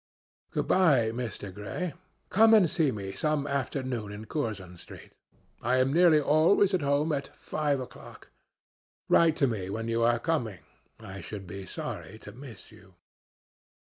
Good bye, Mr. Gray. Come and see me some afternoon in Curzon Street. I am nearly always at home at five o'clock. Write to me when you are coming. I should be sorry to miss you."